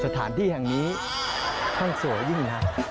สถานที่แห่งนี้ขั้นสวยิ้งมาก